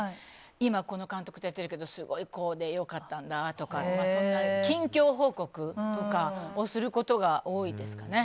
今、この監督とやってるけどすごいよかったんだとかそんな近況報告とかをすることが多いですかね。